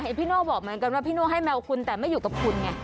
พี่โน่บอกเหมือนกันว่าพี่โน่ให้แมวคุณแต่ไม่อยู่กับคุณไง